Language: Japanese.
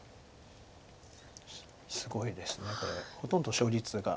すごいですねほとんど勝率が。